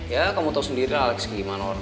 ya kamu tau sendiri lah alex kayak gimana orang